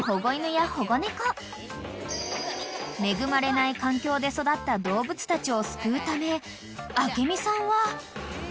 ［恵まれない環境で育った動物たちを救うため明美さんは］